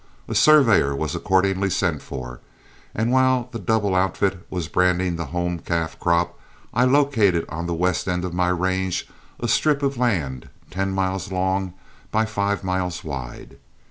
A surveyor was accordingly sent for, and while the double outfit was branding the home calf crop, I located on the west end of my range a strip of land ten miles long by five wide.